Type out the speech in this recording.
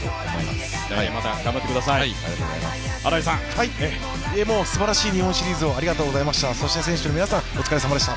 すばらしい日本シリーズをありがとうございました。